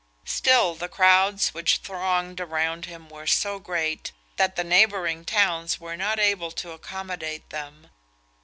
Still the crowds which thronged around him were so great, that the neighbouring towns were not able to accommodate them.